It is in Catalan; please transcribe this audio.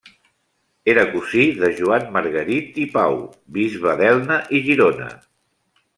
Era cosí de Joan Margarit i Pau, bisbe d'Elna i Girona.